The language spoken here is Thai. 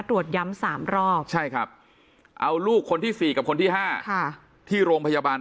ตรวจย้ำ๓รอบใช่ครับเอาลูกคนที่๔กับคนที่๕ที่โรงพยาบาล